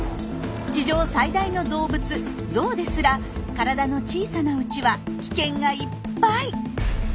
地上最大の動物ゾウですら体の小さなうちは危険がいっぱい。